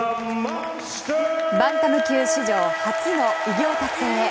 バンタム級史上初の偉業達成へ。